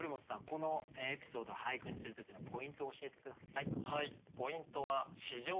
このエピソードを俳句にする時のポイントを教えて下さい。